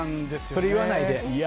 それ言わないで。